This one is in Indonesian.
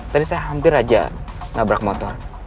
tadi saya hampir aja nabrak motor